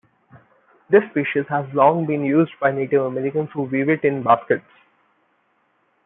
This species has long been used by Native Americans who weave it in baskets.